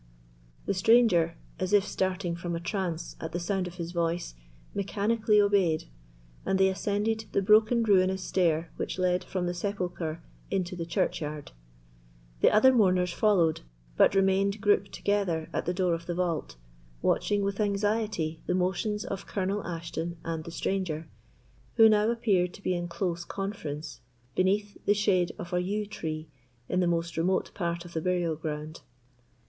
The stranger, as if starting from a trance at the sound of his voice, mechanically obeyed, and they ascended the broken ruinous stair which led from the sepulchre into the churchyard. The other mourners followed, but remained grouped together at the door of the vault, watching with anxiety the motions of Colonel Ashton and the stranger, who now appeared to be in close conference beneath the shade of a yew tree, in the most remote part of the burial ground.